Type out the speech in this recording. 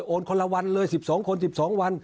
คนละวันเลย๑๒คน๑๒วัน